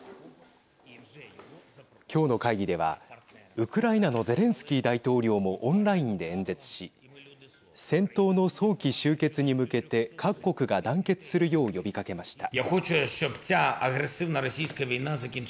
今日の会議ではウクライナのゼレンスキー大統領もオンラインで演説し戦闘の早期終結に向けて各国が団結するよう呼びかけました。